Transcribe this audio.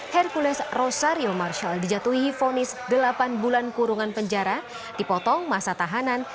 hercules rosario marshall dijatuhi vonis delapan bulan kurungan penjara dipotong masa tahanan